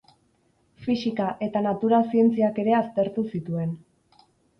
Fisika eta natura-zientziak ere aztertu zituen.